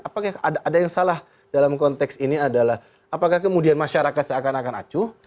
apakah ada yang salah dalam konteks ini adalah apakah kemudian masyarakat seakan akan acuh